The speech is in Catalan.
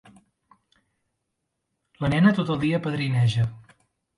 La nena tot el dia padrineja.